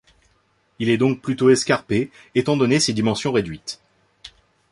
Il est donc plutôt escarpé étant donné ses dimensions réduites.